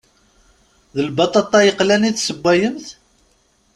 D lbaṭaṭa yeqlan i tessewwayemt?